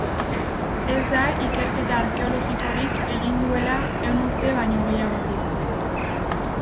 Ez da ikerketa arkeologikorik egin duela ehun urte baino gehiagotik.